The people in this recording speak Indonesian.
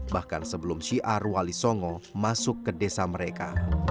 bahkan sebelum syiar wali songo masuk ke desa mereka